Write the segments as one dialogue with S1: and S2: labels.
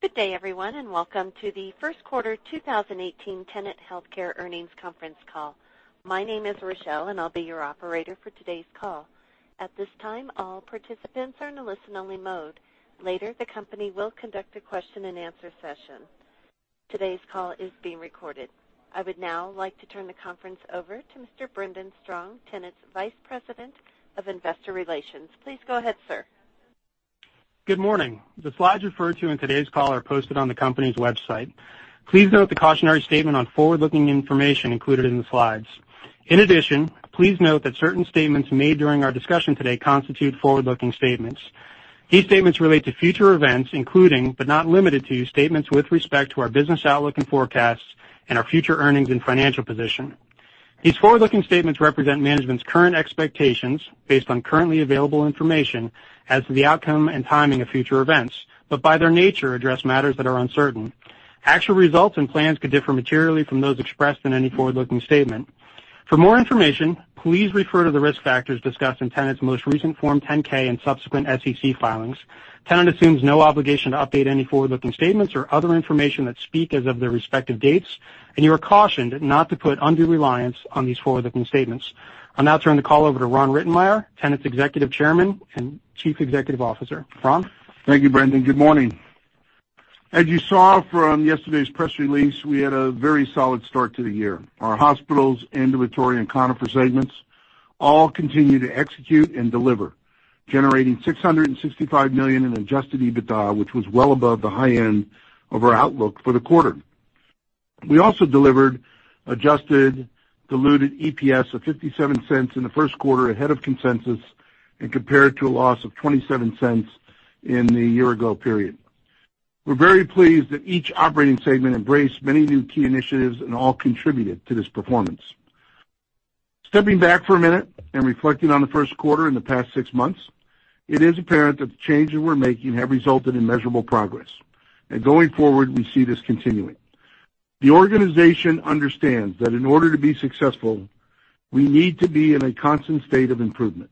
S1: Good day, everyone, and welcome to the first quarter 2018 Tenet Healthcare Earnings Conference Call. My name is Rochelle, and I'll be your operator for today's call. At this time, all participants are in a listen-only mode. Later, the company will conduct a question and answer session. Today's call is being recorded. I would now like to turn the conference over to Mr. Brendan Strong, Tenet's Vice President of Investor Relations. Please go ahead, sir.
S2: Good morning. The slides referred to in today's call are posted on the company's website. Please note the cautionary statement on forward-looking information included in the slides. In addition, please note that certain statements made during our discussion today constitute forward-looking statements. These statements relate to future events, including, but not limited to, statements with respect to our business outlook and forecasts and our future earnings and financial position. These forward-looking statements represent management's current expectations based on currently available information as to the outcome and timing of future events, but by their nature, address matters that are uncertain. Actual results and plans could differ materially from those expressed in any forward-looking statement. For more information, please refer to the risk factors discussed in Tenet's most recent Form 10-K and subsequent SEC filings. Tenet assumes no obligation to update any forward-looking statements or other information that speak as of their respective dates, and you are cautioned not to put undue reliance on these forward-looking statements. I'll now turn the call over to Ron Rittenmeyer, Tenet's Executive Chairman and Chief Executive Officer. Ron?
S3: Thank you, Brendan. Good morning. As you saw from yesterday's press release, we had a very solid start to the year. Our hospitals, ambulatory, and Conifer segments all continue to execute and deliver, generating $665 million in adjusted EBITDA, which was well above the high end of our outlook for the quarter. We also delivered adjusted diluted EPS of $0.57 in the first quarter ahead of consensus and compared to a loss of $0.27 in the year-ago period. We're very pleased that each operating segment embraced many new key initiatives and all contributed to this performance. Stepping back for a minute and reflecting on the first quarter and the past six months, it is apparent that the changes we're making have resulted in measurable progress, and going forward, we see this continuing. The organization understands that in order to be successful, we need to be in a constant state of improvement.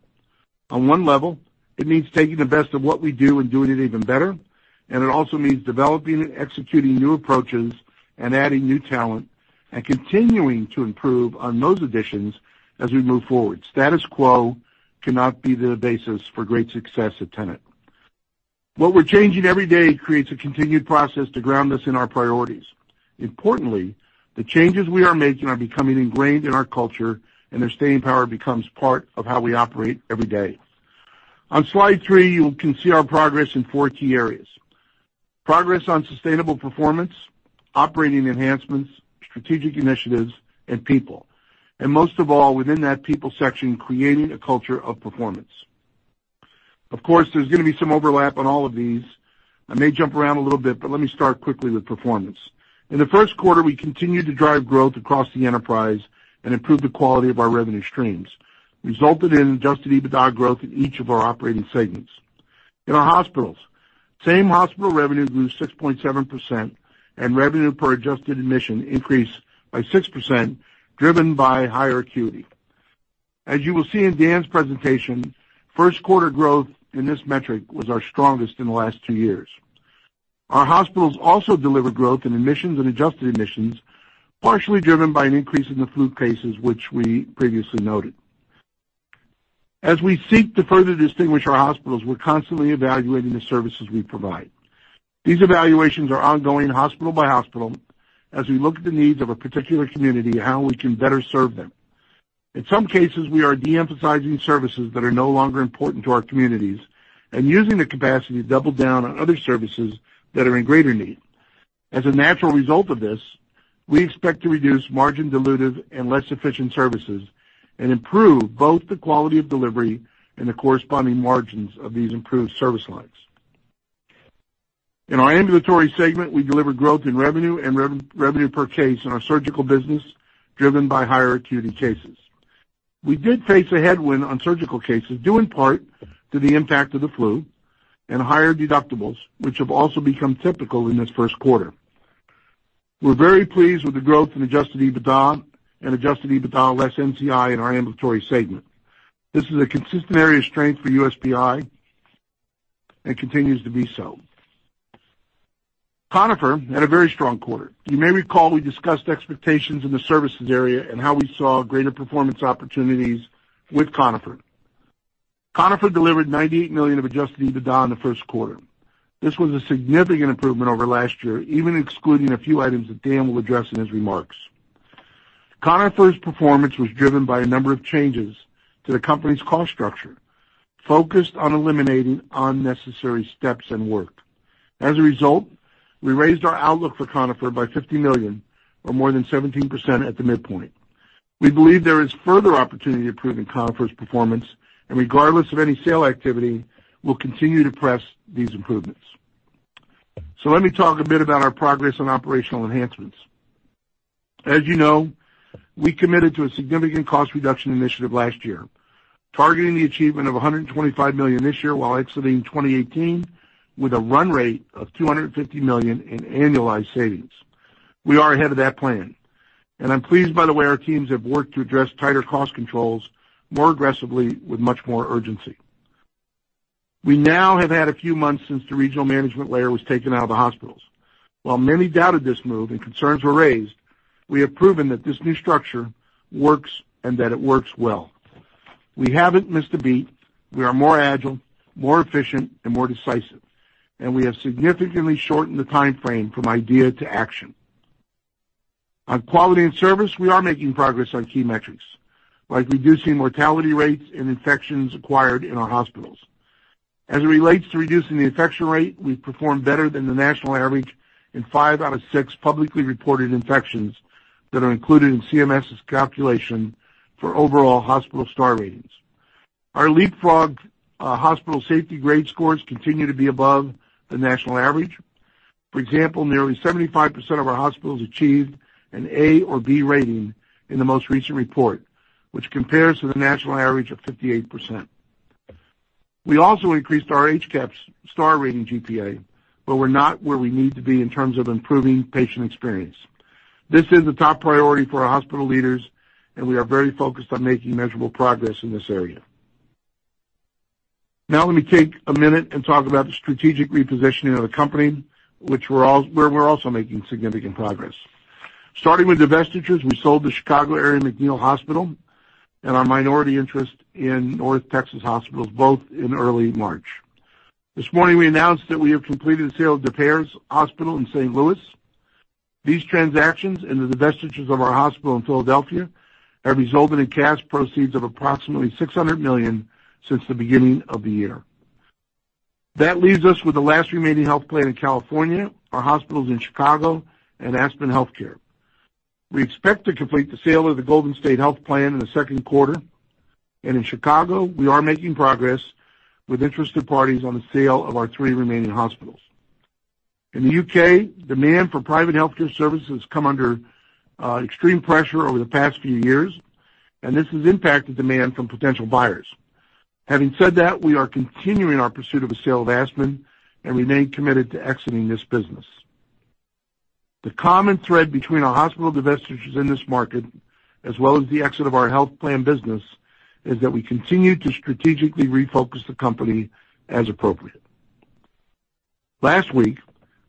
S3: On one level, it means taking the best of what we do and doing it even better. It also means developing and executing new approaches and adding new talent and continuing to improve on those additions as we move forward. Status quo cannot be the basis for great success at Tenet. What we're changing every day creates a continued process to ground us in our priorities. Importantly, the changes we are making are becoming ingrained in our culture, and their staying power becomes part of how we operate every day. On slide three, you can see our progress in four key areas: progress on sustainable performance, operating enhancements, strategic initiatives, and people. Most of all, within that people section, creating a culture of performance. Of course, there's going to be some overlap on all of these. I may jump around a little bit, but let me start quickly with performance. In the first quarter, we continued to drive growth across the enterprise and improve the quality of our revenue streams, resulting in adjusted EBITDA growth in each of our operating segments. In our hospitals, same hospital revenue grew 6.7%, and revenue per adjusted admission increased by 6%, driven by higher acuity. As you will see in Dan's presentation, first quarter growth in this metric was our strongest in the last two years. Our hospitals also delivered growth in admissions and adjusted admissions, partially driven by an increase in the flu cases, which we previously noted. As we seek to further distinguish our hospitals, we're constantly evaluating the services we provide. These evaluations are ongoing hospital by hospital as we look at the needs of a particular community and how we can better serve them. In some cases, we are de-emphasizing services that are no longer important to our communities and using the capacity to double down on other services that are in greater need. As a natural result of this, we expect to reduce margin dilutive and less efficient services and improve both the quality of delivery and the corresponding margins of these improved service lines. In our ambulatory segment, we delivered growth in revenue and revenue per case in our surgical business, driven by higher acuity cases. We did face a headwind on surgical cases, due in part to the impact of the flu and higher deductibles, which have also become typical in this first quarter. We're very pleased with the growth in adjusted EBITDA and adjusted EBITDA less NCI in our ambulatory segment. This is a consistent area of strength for USPI and continues to be so. Conifer had a very strong quarter. You may recall we discussed expectations in the services area and how we saw greater performance opportunities with Conifer. Conifer delivered $98 million of adjusted EBITDA in the first quarter. This was a significant improvement over last year, even excluding a few items that Dan will address in his remarks. Conifer's performance was driven by a number of changes to the company's cost structure, focused on eliminating unnecessary steps and work. As a result, we raised our outlook for Conifer by $50 million or more than 17% at the midpoint. We believe there is further opportunity to improve in Conifer's performance, and regardless of any sale activity, we'll continue to press these improvements. Let me talk a bit about our progress on operational enhancements. As you know, we committed to a significant cost reduction initiative last year, targeting the achievement of $125 million this year while exiting 2018 with a run rate of $250 million in annualized savings. We are ahead of that plan, and I'm pleased by the way our teams have worked to address tighter cost controls more aggressively with much more urgency. We now have had a few months since the regional management layer was taken out of the hospitals. While many doubted this move and concerns were raised, we have proven that this new structure works and that it works well. We haven't missed a beat. We are more agile, more efficient, and more decisive, and we have significantly shortened the timeframe from idea to action. On quality and service, we are making progress on key metrics, like reducing mortality rates and infections acquired in our hospitals. As it relates to reducing the infection rate, we've performed better than the national average in five out of six publicly reported infections that are included in CMS's calculation for overall hospital star ratings. Our Leapfrog hospital safety grade scores continue to be above the national average. For example, nearly 75% of our hospitals achieved an A or B rating in the most recent report, which compares to the national average of 58%. We also increased our HCAHPS star rating GPA, but we're not where we need to be in terms of improving patient experience. This is a top priority for our hospital leaders, and we are very focused on making measurable progress in this area. Let me take a minute and talk about the strategic repositioning of the company, where we're also making significant progress. Starting with divestitures, we sold the Chicago area MacNeal Hospital and our minority interest in North Texas hospitals, both in early March. This morning, we announced that we have completed the sale of Des Peres Hospital in St. Louis. These transactions and the divestitures of our hospital in Philadelphia have resulted in cash proceeds of approximately $600 million since the beginning of the year. That leaves us with the last remaining health plan in California, our hospitals in Chicago, and Aspen Healthcare. We expect to complete the sale of the Golden State Health Plan in the second quarter. In Chicago, we are making progress with interested parties on the sale of our three remaining hospitals. In the U.K., demand for private healthcare services come under extreme pressure over the past few years, and this has impacted demand from potential buyers. Having said that, we are continuing our pursuit of a sale of Aspen and remain committed to exiting this business. The common thread between our hospital divestitures in this market, as well as the exit of our health plan business, is that we continue to strategically refocus the company as appropriate. Last week,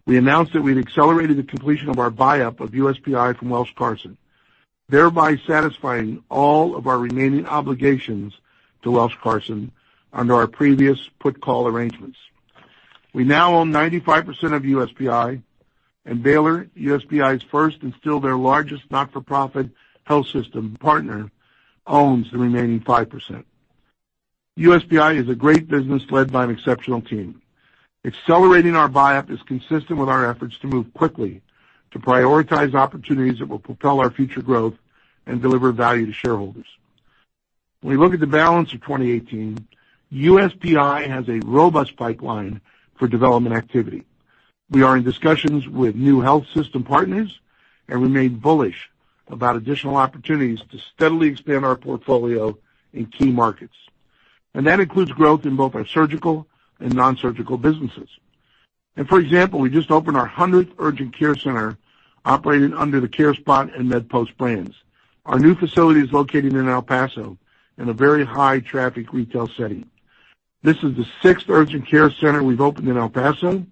S3: we announced that we'd accelerated the completion of our buyup of USPI from Welsh Carson, thereby satisfying all of our remaining obligations to Welsh Carson under our previous put call arrangements. We now own 95% of USPI and Baylor, USPI's first and still their largest not-for-profit health system partner, owns the remaining 5%. USPI is a great business led by an exceptional team. Accelerating our buyup is consistent with our efforts to move quickly to prioritize opportunities that will propel our future growth and deliver value to shareholders. When we look at the balance of 2018, USPI has a robust pipeline for development activity. We are in discussions with new health system partners and remain bullish about additional opportunities to steadily expand our portfolio in key markets. That includes growth in both our surgical and non-surgical businesses. For example, we just opened our 100th urgent care center operating under the CareSpot and MedPost brands. Our new facility is located in El Paso in a very high traffic retail setting. This is the sixth urgent care center we've opened in El Paso,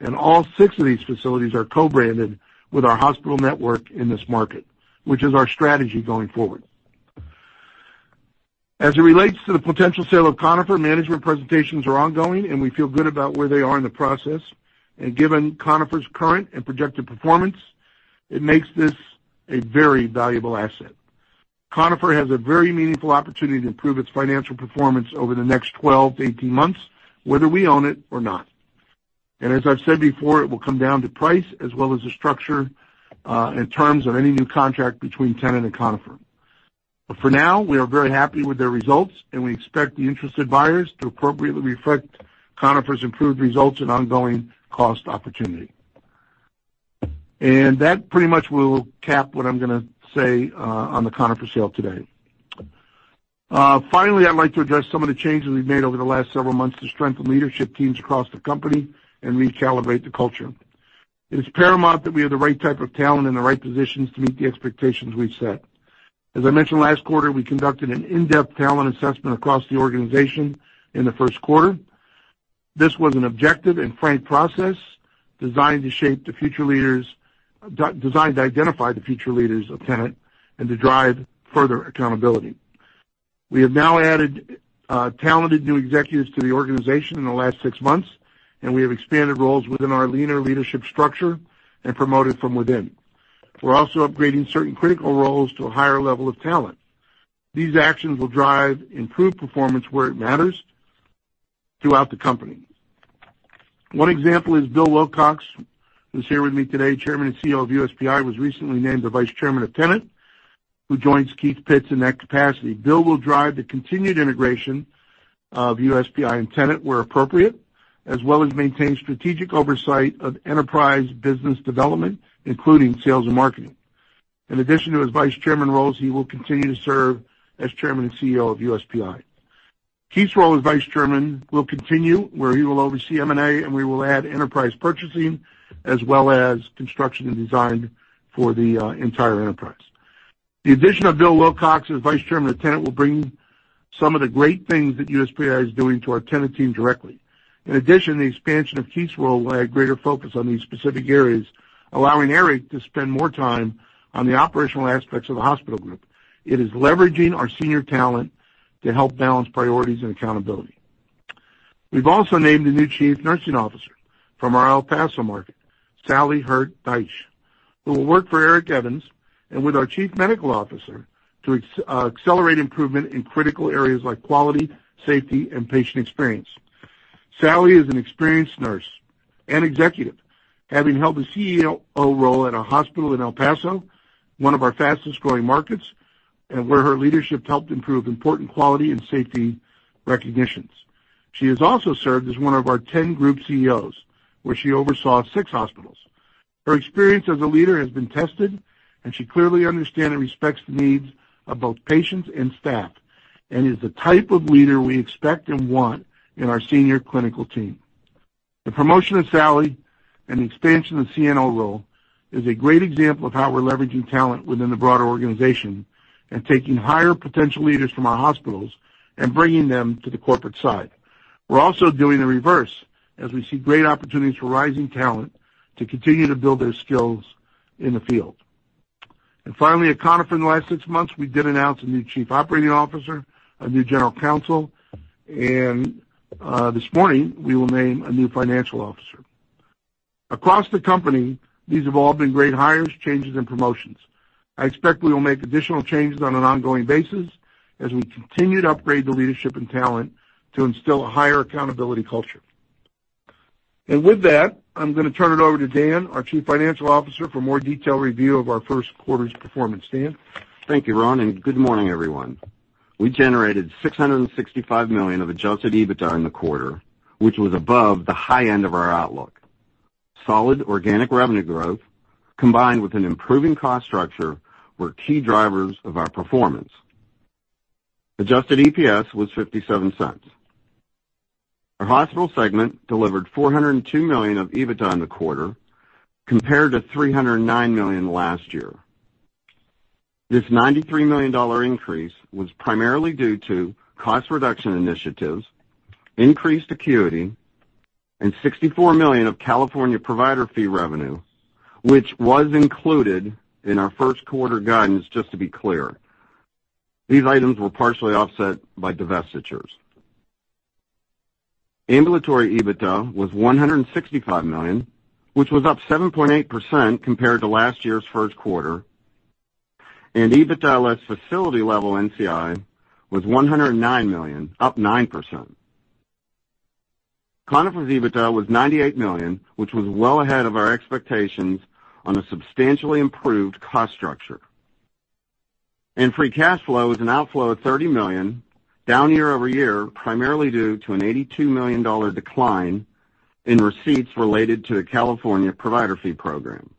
S3: and all six of these facilities are co-branded with our hospital network in this market, which is our strategy going forward. As it relates to the potential sale of Conifer, management presentations are ongoing, and we feel good about where they are in the process. Given Conifer's current and projected performance, it makes this a very valuable asset. Conifer has a very meaningful opportunity to improve its financial performance over the next 12 to 18 months, whether we own it or not. As I've said before, it will come down to price as well as the structure and terms of any new contract between Tenet and Conifer. For now, we are very happy with their results, and we expect the interested buyers to appropriately reflect Conifer's improved results and ongoing cost opportunity. That pretty much will cap what I'm going to say on the Conifer sale today. Finally, I'd like to address some of the changes we've made over the last several months to strengthen leadership teams across the company and recalibrate the culture. It is paramount that we have the right type of talent in the right positions to meet the expectations we've set. As I mentioned last quarter, we conducted an in-depth talent assessment across the organization in the first quarter. This was an objective and frank process designed to identify the future leaders of Tenet and to drive further accountability. We have now added talented new executives to the organization in the last six months, and we have expanded roles within our leaner leadership structure and promoted from within. We're also upgrading certain critical roles to a higher level of talent. These actions will drive improved performance where it matters throughout the company. One example is Bill Wilcox, who's here with me today, Chairman and CEO of USPI, was recently named the Vice Chairman of Tenet, who joins Keith Pitts in that capacity. Bill will drive the continued integration of USPI and Tenet where appropriate, as well as maintain strategic oversight of enterprise business development, including sales and marketing. In addition to his Vice Chairman roles, he will continue to serve as Chairman and CEO of USPI. Keith's role as Vice Chairman will continue, where he will oversee M&A, and we will add enterprise purchasing as well as construction and design for the entire enterprise. The addition of Bill Wilcox as Vice Chairman of Tenet will bring some of the great things that USPI is doing to our Tenet team directly. In addition, the expansion of Keith Pitts' role will add greater focus on these specific areas, allowing Eric Evans to spend more time on the operational aspects of the hospital group. It is leveraging our senior talent to help balance priorities and accountability. We have also named a new Chief Nursing Officer from our El Paso market, Sally Hurt-Deitch, who will work for Eric Evans and with our Chief Medical Officer to accelerate improvement in critical areas like quality, safety, and patient experience. Sally is an experienced nurse and executive, having held the CEO role at a hospital in El Paso, one of our fastest-growing markets, and where her leadership helped improve important quality and safety recognitions. She has also served as one of our 10 group CEOs, where she oversaw six hospitals. Her experience as a leader has been tested, she clearly understands and respects the needs of both patients and staff and is the type of leader we expect and want in our senior clinical team. The promotion of Sally and the expansion of the CNO role is a great example of how we are leveraging talent within the broader organization and taking higher potential leaders from our hospitals and bringing them to the corporate side. We are also doing the reverse as we see great opportunities for rising talent to continue to build their skills in the field. Finally, at Conifer in the last six months, we did announce a new Chief Operating Officer, a new General Counsel, and this morning, we will name a new Financial Officer. Across the company, these have all been great hires, changes, and promotions. I expect we will make additional changes on an ongoing basis as we continue to upgrade the leadership and talent to instill a higher accountability culture. With that, I am going to turn it over to Dan, our Chief Financial Officer, for a more detailed review of our first quarter's performance. Dan?
S4: Thank you, Ron, and good morning, everyone. We generated $665 million of adjusted EBITDA in the quarter, which was above the high end of our outlook. Solid organic revenue growth combined with an improving cost structure were key drivers of our performance. Adjusted EPS was $0.57. Our hospital segment delivered $402 million of EBITDA in the quarter compared to $309 million last year. This $93 million increase was primarily due to cost reduction initiatives, increased acuity, and $64 million of California provider fee revenue, which was included in our first quarter guidance, just to be clear. These items were partially offset by divestitures. Ambulatory EBITDA was $165 million, which was up 7.8% compared to last year's first quarter, and EBITDA less facility level NCI was $109 million, up 9%. Conifer's EBITDA was $98 million, which was well ahead of our expectations on a substantially improved cost structure. Free cash flow is an outflow of $30 million, down year-over-year, primarily due to an $82 million decline in receipts related to the California provider fee program.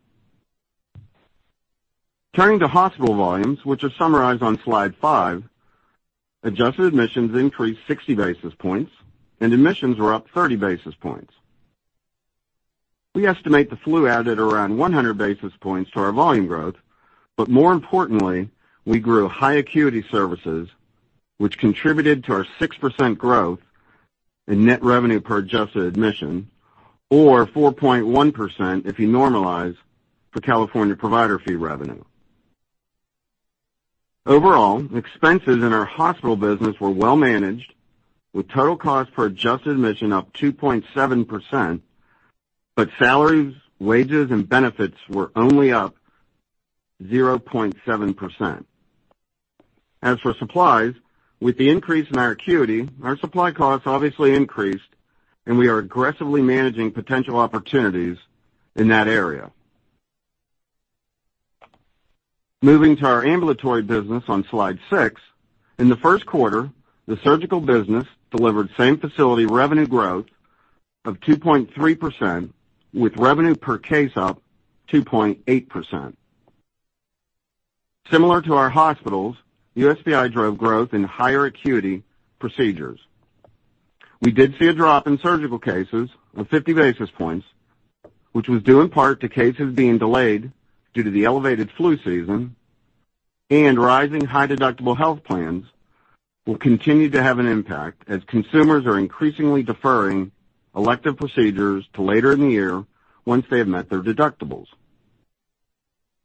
S4: Turning to hospital volumes, which are summarized on slide five, adjusted admissions increased 60 basis points, and admissions were up 30 basis points. We estimate the flu added around 100 basis points to our volume growth, but more importantly, we grew high acuity services, which contributed to our 6% growth in net revenue per adjusted admission, or 4.1% if you normalize for California provider fee revenue. Overall, expenses in our hospital business were well managed, with total cost per adjusted admission up 2.7%, but salaries, wages, and benefits were only up 0.7%. As for supplies, with the increase in our acuity, our supply costs obviously increased, and we are aggressively managing potential opportunities in that area. Moving to our ambulatory business on slide six, in the first quarter, the surgical business delivered same-facility revenue growth of 2.3%, with revenue per case up 2.8%. Similar to our hospitals, USPI drove growth in higher acuity procedures. We did see a drop in surgical cases of 50 basis points, which was due in part to cases being delayed due to the elevated flu season and rising high deductible health plans will continue to have an impact as consumers are increasingly deferring elective procedures to later in the year once they have met their deductibles.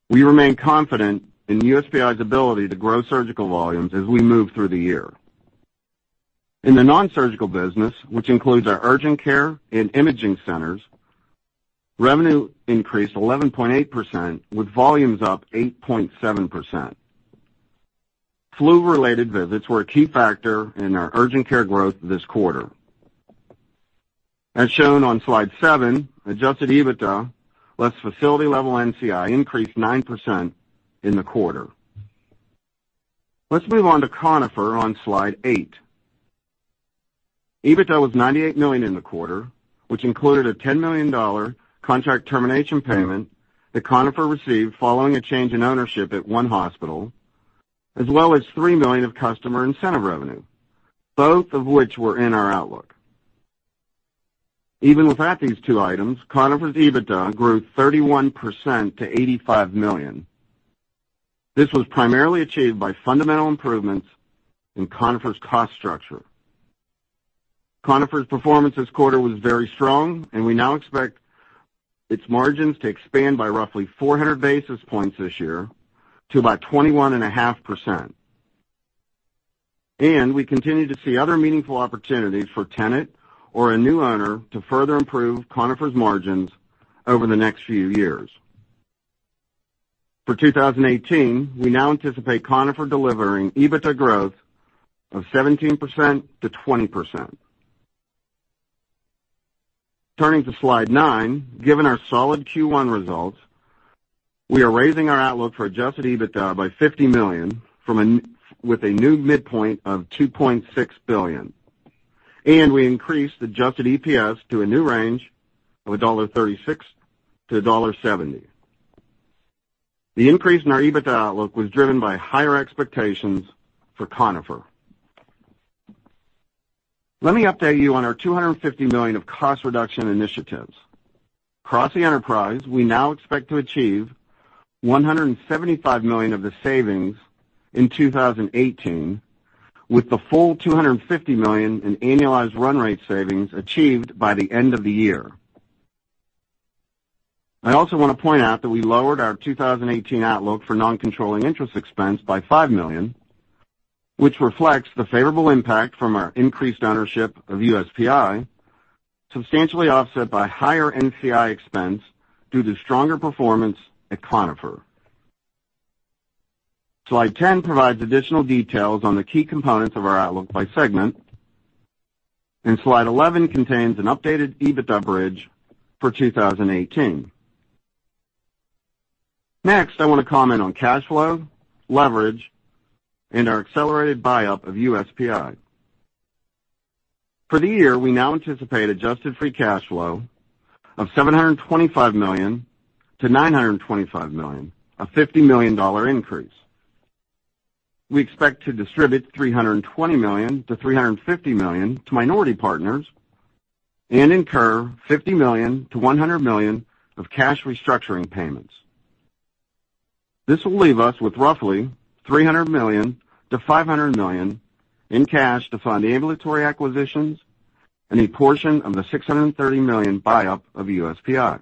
S4: We remain confident in USPI's ability to grow surgical volumes as we move through the year. In the nonsurgical business, which includes our urgent care and imaging centers, revenue increased 11.8%, with volumes up 8.7%. Flu-related visits were a key factor in our urgent care growth this quarter. As shown on slide seven, adjusted EBITDA less facility level NCI increased 9% in the quarter. Let's move on to Conifer on slide eight. EBITDA was $98 million in the quarter, which included a $10 million contract termination payment that Conifer received following a change in ownership at one hospital, as well as $3 million of customer incentive revenue, both of which were in our outlook. Even without these two items, Conifer's EBITDA grew 31% to $85 million. This was primarily achieved by fundamental improvements in Conifer's cost structure. Conifer's performance this quarter was very strong, and we now expect its margins to expand by roughly 400 basis points this year to about 21.5%. We continue to see other meaningful opportunities for Tenet or a new owner to further improve Conifer's margins over the next few years. For 2018, we now anticipate Conifer delivering EBITDA growth of 17%-20%. Turning to slide nine. Given our solid Q1 results, we are raising our outlook for adjusted EBITDA by $50 million, with a new midpoint of $2.6 billion, and we increased adjusted EPS to a new range of $1.36-$1.70. The increase in our EBITDA outlook was driven by higher expectations for Conifer. Let me update you on our $250 million of cost reduction initiatives. Across the enterprise, we now expect to achieve $175 million of the savings in 2018, with the full $250 million in annualized run rate savings achieved by the end of the year. I also want to point out that we lowered our 2018 outlook for non-controlling interest expense by $5 million, which reflects the favorable impact from our increased ownership of USPI, substantially offset by higher NCI expense due to stronger performance at Conifer. Slide 10 provides additional details on the key components of our outlook by segment, and slide 11 contains an updated EBITDA bridge for 2018. Next, I want to comment on cash flow, leverage, and our accelerated buyup of USPI. For the year, we now anticipate adjusted free cash flow of $725 million-$925 million, a $50 million increase. We expect to distribute $320 million-$350 million to minority partners and incur $50 million-$100 million of cash restructuring payments. This will leave us with roughly $300 million-$500 million in cash to fund the ambulatory acquisitions and a portion of the $630 million buyup of USPI.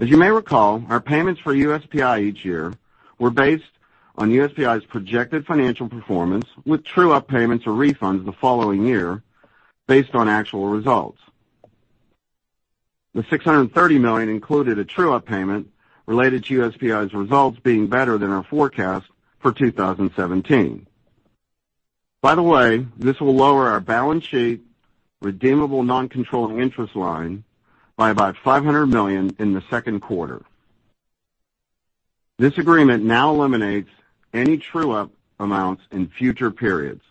S4: As you may recall, our payments for USPI each year were based on USPI's projected financial performance, with true-up payments or refunds the following year based on actual results. The $630 million included a true-up payment related to USPI's results being better than our forecast for 2017. By the way, this will lower our balance sheet redeemable non-controlling interest line by about $500 million in the second quarter. This agreement now eliminates any true-up amounts in future periods.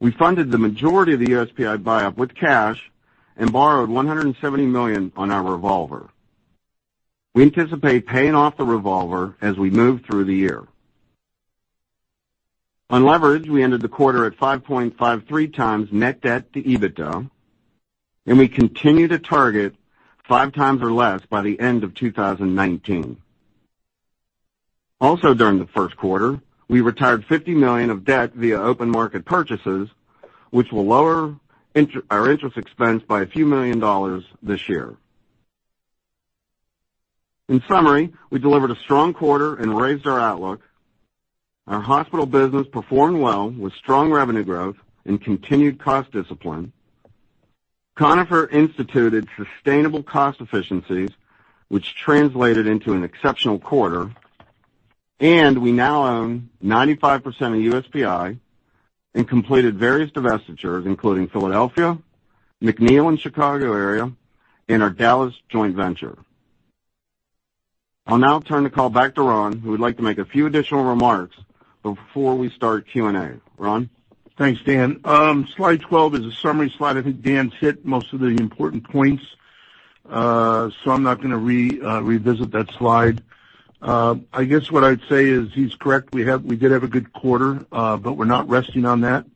S4: We funded the majority of the USPI buyup with cash and borrowed $170 million on our revolver. We anticipate paying off the revolver as we move through the year. On leverage, we ended the quarter at 5.53 times net debt to EBITDA, and we continue to target five times or less by the end of 2019. Also during the first quarter, we retired $50 million of debt via open market purchases, which will lower our interest expense by a few million dollars this year. In summary, we delivered a strong quarter and raised our outlook. Our hospital business performed well with strong revenue growth and continued cost discipline. Conifer instituted sustainable cost efficiencies, which translated into an exceptional quarter. We now own 95% of USPI and completed various divestitures, including Philadelphia, MacNeal in Chicago area, and our Dallas joint venture. I'll now turn the call back to Ron, who would like to make a few additional remarks before we start Q&A. Ron?
S3: Thanks, Dan. Slide 12 is a summary slide. I think Dan's hit most of the important points, so I'm not going to revisit that slide. I guess what I'd say is he's correct. We did have a good quarter, but we're not resting on that.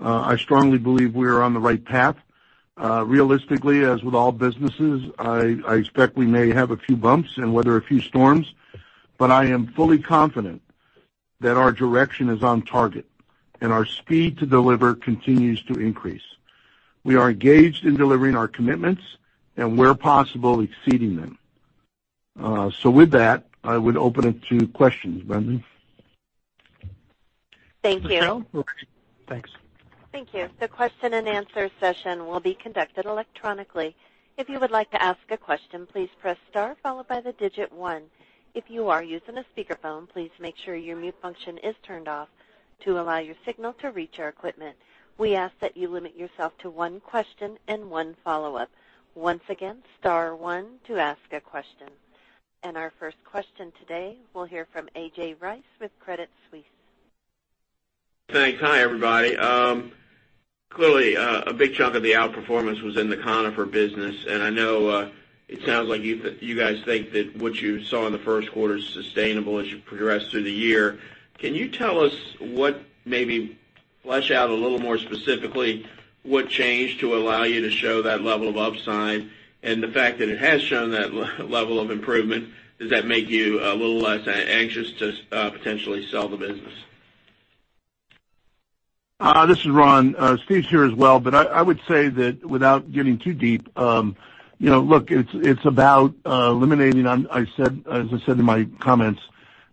S3: I strongly believe we are on the right path. Realistically, as with all businesses, I expect we may have a few bumps and weather a few storms, but I am fully confident that our direction is on target and our speed to deliver continues to increase. We are engaged in delivering our commitments and, where possible, exceeding them. So with that, I would open it to questions. Brendan?
S1: Thank you.
S3: Michelle?
S5: Sure.
S3: Thanks.
S1: Thank you. The question and answer session will be conducted electronically. If you would like to ask a question, please press star followed by the digit 1. If you are using a speakerphone, please make sure your mute function is turned off to allow your signal to reach our equipment. We ask that you limit yourself to one question and one follow-up. Once again, star 1 to ask a question. Our first question today, we'll hear from A.J. Rice with Credit Suisse.
S6: Thanks. Hi, everybody. Clearly, a big chunk of the outperformance was in the Conifer business, and I know it sounds like you guys think that what you saw in the first quarter is sustainable as you progress through the year. Can you tell us, maybe flesh out a little more specifically, what changed to allow you to show that level of upside and the fact that it has shown that level of improvement, does that make you a little less anxious to potentially sell the business?
S3: This is Ron. Steve's here as well, I would say that without getting too deep. As I said in my comments,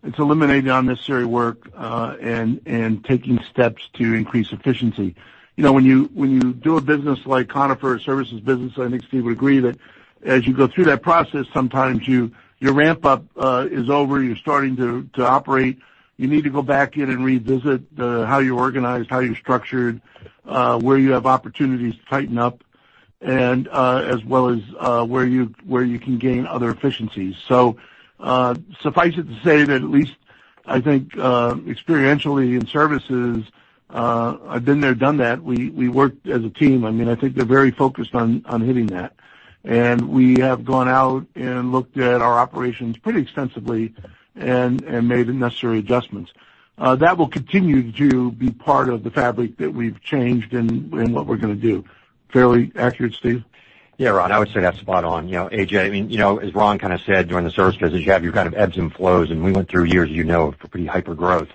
S3: it's eliminating unnecessary work, and taking steps to increase efficiency. When you do a business like Conifer, a services business, I think Steve would agree that as you go through that process, sometimes your ramp up is over. You're starting to operate. You need to go back in and revisit how you're organized, how you're structured, where you have opportunities to tighten up, and as well as where you can gain other efficiencies. Suffice it to say that at least I think experientially in services, I've been there, done that. We worked as a team. I think they're very focused on hitting that. We have gone out and looked at our operations pretty extensively and made the necessary adjustments. That will continue to be part of the fabric that we've changed and what we're going to do. Fairly accurate, Steve?
S7: Ron, I would say that's spot on. A.J., as Ron said during the service business, you have your ebbs and flows, and we went through years, as you know, of pretty hyper-growth.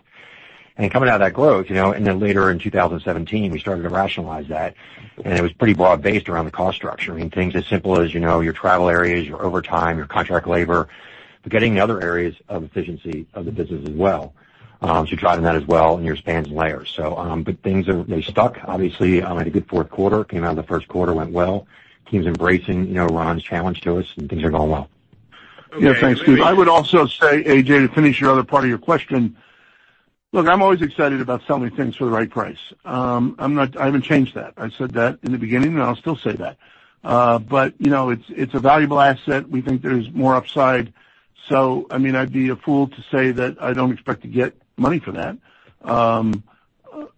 S7: Coming out of that growth, later in 2017, we started to rationalize that, it was pretty broad-based around the cost structure. Things as simple as your travel areas, your overtime, your contract labor, but getting other areas of efficiency of the business as well. Driving that as well in your spans and layers. Things, they stuck. Obviously, had a good fourth quarter, came out of the first quarter, went well. Team's embracing Ron's challenge to us, and things are going well.
S3: Thanks, Steve. I would also say, A.J., to finish your other part of your question. Look, I'm always excited about selling things for the right price. I haven't changed that. I said that in the beginning, I'll still say that. It's a valuable asset. We think there's more upside. I'd be a fool to say that I don't expect to get money for that.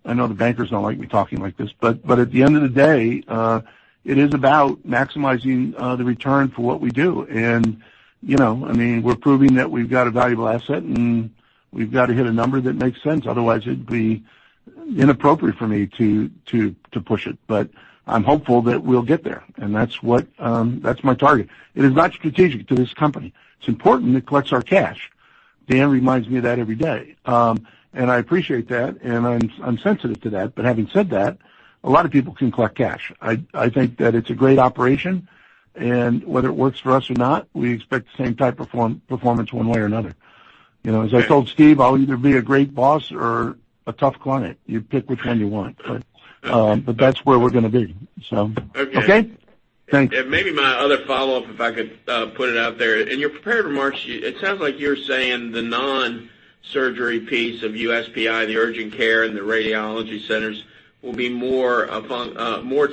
S3: I know the bankers don't like me talking like this, at the end of the day, it is about maximizing the return for what we do. We're proving that we've got a valuable asset, we've got to hit a number that makes sense. Otherwise, it'd be inappropriate for me to push it. I'm hopeful that we'll get there, and that's my target. It is not strategic to this company. It's important it collects our cash. Dan reminds me of that every day. I appreciate that, I'm sensitive to that. Having said that, a lot of people can collect cash. I think that it's a great operation, whether it works for us or not, we expect the same type of performance one way or another. As I told Steve, I'll either be a great boss or a tough client. You pick which one you want. That's where we're going to be. Okay?
S6: Thanks. Maybe my other follow-up, if I could put it out there. In your prepared remarks, it sounds like you're saying the non-surgery piece of USPI, the urgent care and the radiology centers, will be more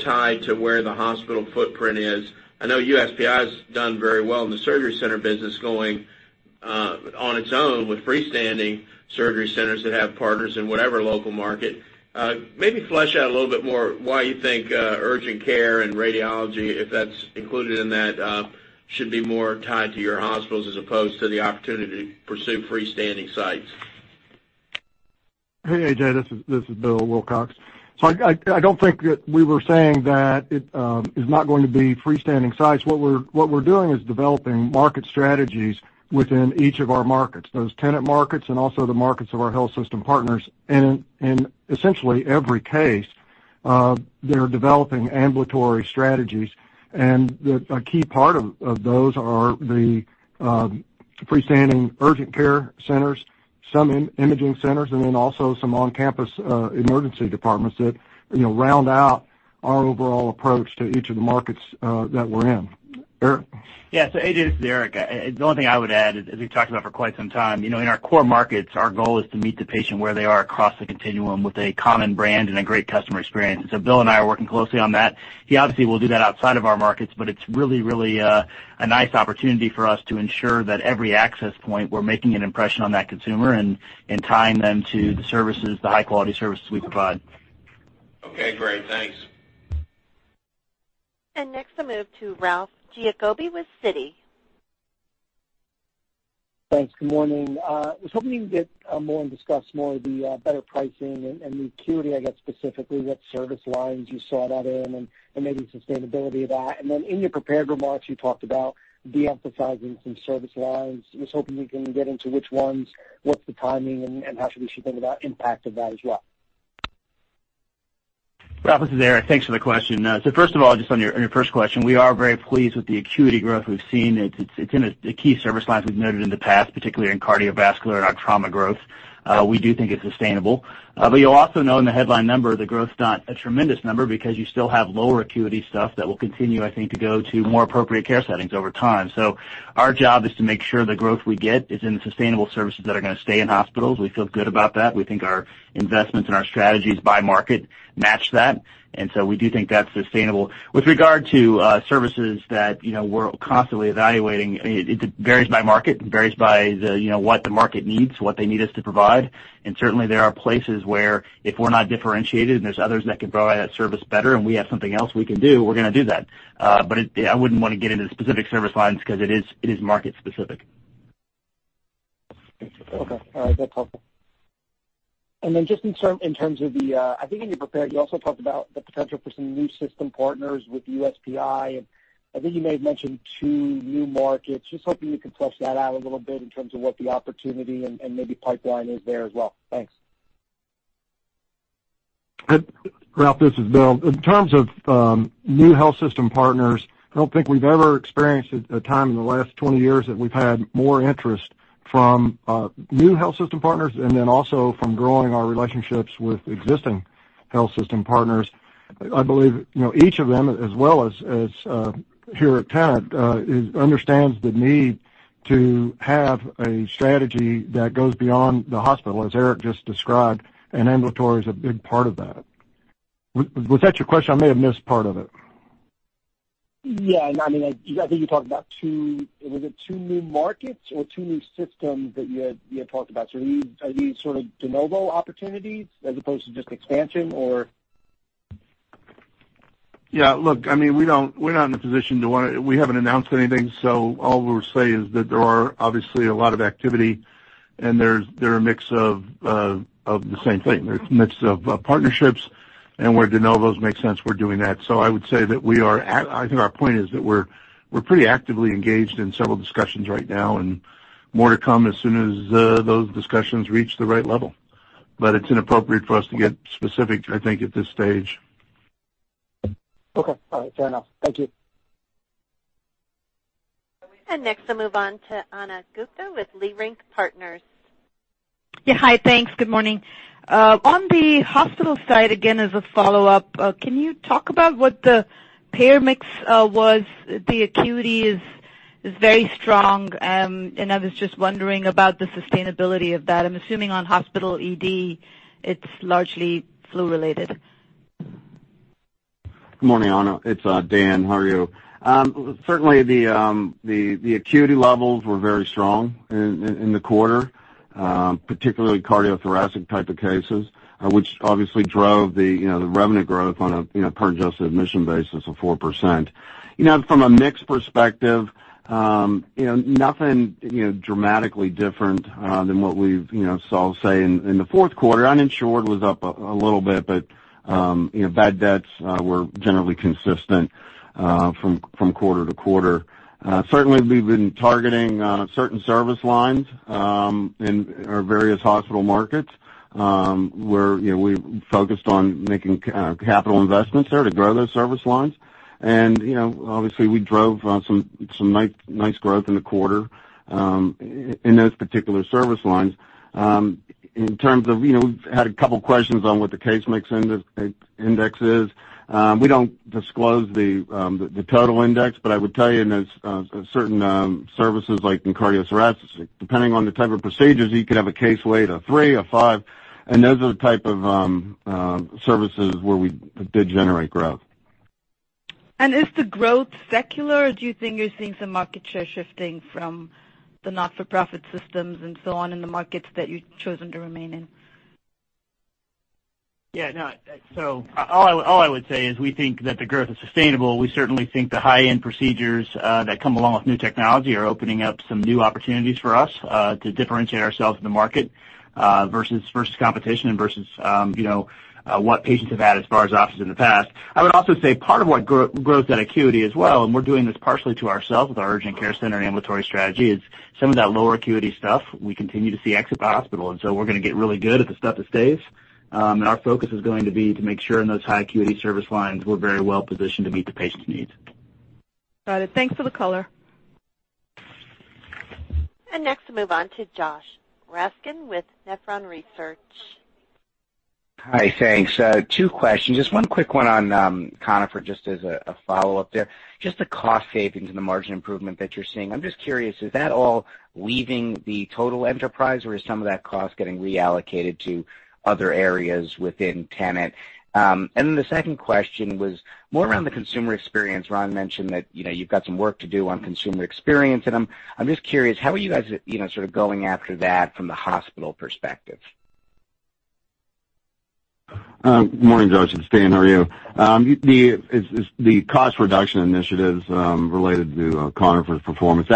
S6: tied to where the hospital footprint is. I know USPI has done very well in the surgery center business going on its own with freestanding surgery centers that have partners in whatever local market. Maybe flesh out a little bit more why you think urgent care and radiology, if that's included in that, should be more tied to your hospitals as opposed to the opportunity to pursue freestanding sites.
S8: Hey, A.J. This is Bill Wilcox. I don't think that we were saying that it is not going to be freestanding sites. What we're doing is developing market strategies within each of our markets, those Tenet markets, and also the markets of our health system partners. In essentially every case, they're developing ambulatory strategies. A key part of those are the freestanding urgent care centers, some imaging centers, and then also some on-campus emergency departments that round out our overall approach to each of the markets that we're in. Eric?
S9: A.J., this is Eric. The only thing I would add, as we've talked about for quite some time, in our core markets, our goal is to meet the patient where they are across the continuum with a common brand and a great customer experience. Bill and I are working closely on that. He obviously will do that outside of our markets, but it's really a nice opportunity for us to ensure that every access point, we're making an impression on that consumer and tying them to the services, the high-quality services we provide.
S6: Okay, great. Thanks.
S1: Next, I'll move to Ralph Giacobbe with Citi.
S10: Thanks. Good morning. I was hoping you could get more and discuss more the better pricing and the acuity, I guess, specifically, what service lines you saw that in and maybe sustainability of that. In your prepared remarks, you talked about de-emphasizing some service lines. I was hoping we can get into which ones, what's the timing, and how should we think about impact of that as well.
S9: Ralph, this is Eric. Thanks for the question. First of all, just on your first question, we are very pleased with the acuity growth we've seen. It's in the key service lines we've noted in the past, particularly in cardiovascular and our trauma growth. We do think it's sustainable. You'll also know in the headline number, the growth's not a tremendous number because you still have lower acuity stuff that will continue, I think, to go to more appropriate care settings over time. Our job is to make sure the growth we get is in the sustainable services that are going to stay in hospitals. We feel good about that. We think our investments and our strategies by market match that, we do think that's sustainable. With regard to services that we're constantly evaluating, it varies by market. It varies by what the market needs, what they need us to provide. Certainly, there are places where if we're not differentiated and there's others that can provide that service better and we have something else we can do, we're going to do that. I wouldn't want to get into the specific service lines because it is market specific.
S10: Okay. All right. That's helpful. Just in terms of the I think when you prepared, you also talked about the potential for some new system partners with USPI, and I think you may have mentioned two new markets. Just hoping you could flesh that out a little bit in terms of what the opportunity and maybe pipeline is there as well. Thanks.
S8: Ralph, this is Bill. In terms of new health system partners, I don't think we've ever experienced a time in the last 20 years that we've had more interest from new health system partners and also from growing our relationships with existing health system partners. I believe each of them, as well as here at Tenet, understands the need to have a strategy that goes beyond the hospital, as Eric just described, and ambulatory is a big part of that. Was that your question? I may have missed part of it.
S10: Yeah, no, I think you talked about two, was it two new markets or two new systems that you had talked about? Are these sort of de novo opportunities as opposed to just expansion or?
S3: Yeah, look, we're not in a position to want to. We haven't announced anything, all we'll say is that there are obviously a lot of activity, and they're a mix of the same thing. They're a mix of partnerships, and where de novos make sense, we're doing that. I would say that I think our point is that we're pretty actively engaged in several discussions right now, and more to come as soon as those discussions reach the right level. It's inappropriate for us to get specific, I think, at this stage.
S10: Okay. All right. Fair enough. Thank you.
S1: Next, I'll move on to Ana Gupte with Leerink Partners.
S11: Yeah, hi. Thanks. Good morning. On the hospital side, again, as a follow-up, can you talk about what the payer mix was? The acuity is very strong, and I was just wondering about the sustainability of that. I'm assuming on hospital ED, it's largely flu-related.
S4: Good morning, Ana. It's Dan. How are you? Certainly, the acuity levels were very strong in the quarter, particularly cardiothoracic type of cases, which obviously drove the revenue growth on a per adjusted admission basis of 4%. From a mix perspective, nothing dramatically different than what we've saw, say, in the fourth quarter. Uninsured was up a little bit, but bad debts were generally consistent from quarter to quarter. Certainly, we've been targeting certain service lines in our various hospital markets, where we focused on making capital investments there to grow those service lines. Obviously, we drove some nice growth in the quarter in those particular service lines. In terms of, we've had a couple of questions on what the case mix index is. We don't disclose the total index, but I would tell you in those certain services, like in cardiothoracic, depending on the type of procedures, you could have a case weight of three or five, and those are the type of services where we did generate growth.
S11: Is the growth secular, or do you think you're seeing some market share shifting from the not-for-profit systems and so on in the markets that you've chosen to remain in?
S9: Yeah. No. All I would say is we think that the growth is sustainable. We certainly think the high-end procedures that come along with new technology are opening up some new opportunities for us to differentiate ourselves in the market versus competition and versus what patients have had as far as options in the past. I would also say part of what grows that acuity as well, and we're doing this partially to ourselves with our urgent care center and ambulatory strategy, is some of that lower acuity stuff, we continue to see exit the hospital. We're going to get really good at the stuff that stays. Our focus is going to be to make sure in those high acuity service lines, we're very well positioned to meet the patient needs.
S11: Got it. Thanks for the color.
S1: Next, we'll move on to Joshua Raskin with Nephron Research.
S12: Hi, thanks. Two questions. Just one quick one on Conifer, just as a follow-up there. Just the cost savings and the margin improvement that you're seeing, I'm just curious, is that all leaving the total enterprise, or is some of that cost getting reallocated to other areas within Tenet? The second question was more around the consumer experience. Ron mentioned that you've got some work to do on consumer experience, I'm just curious, how are you guys sort of going after that from the hospital perspective?
S4: Morning, Josh, it's Dan. How are you? The cost reduction initiatives related to Conifer's performance,